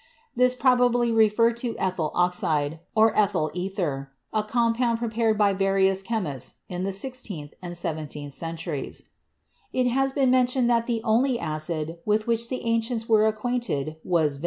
This probably referred to ethyl oxide, or ethyl ether, a compound prepared by various chemists in the sixteenth and seventeenth centuries. THE LATER ALCHEMISTS 59 It has been mentioned that the only acid with which the ancients were acquainted was vinegar — that is, an Fig.